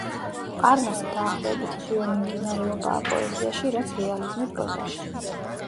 პარნასი დაახლოებით იგივე მიმდინარეობაა პოეზიაში, რაც რეალიზმი პროზაში.